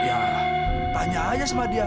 ya tanya aja sama dia